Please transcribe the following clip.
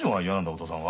お父さんは。